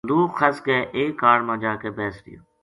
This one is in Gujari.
بندوکھ خَس کے ایک کاڑ ما جا کے بیس رہیو